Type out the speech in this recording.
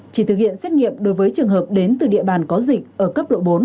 chỉ thực hiện xét nghiệm đối với trường hợp đến từ địa bàn có dịch ở cấp độ bốn